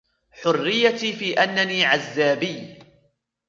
حريَّتي في أنَّني عزَّابي.